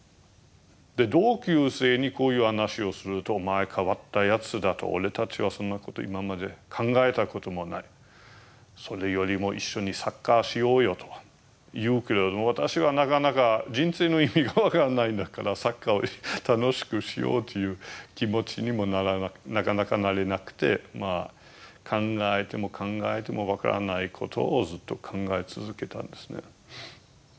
同級生にこういう話をすると「お前変わったやつだ」と。「俺たちはそんなこと今まで考えたこともない。それよりも一緒にサッカーしようよ」と言うけれど私はなかなか人生の意味が分からないんだからサッカーを楽しくしようという気持ちにもなかなかなれなくて考えても考えても分からないことをずっと考え続けたんですね。